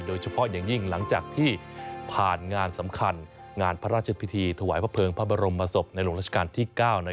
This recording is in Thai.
โดยเฉพาะอย่างยิ่งหลังจากที่ผ่านงานสำคัญงานพระราชพิธีถวายพระเภิงพระบรมศพในหลวงราชการที่๙